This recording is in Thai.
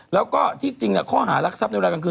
แล้วก็ที่จริงข้อหารักทรัพย์ในเวลากลางคืน